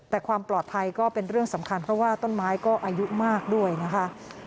แต่ความปลอดภัยก็เป็นเรื่องสำคัญเพราะว่าต้นไม้ก็อายุมากด้วยนะคะ